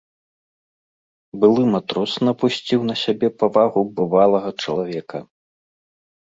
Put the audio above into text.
Былы матрос напусціў на сябе павагу бывалага чалавека.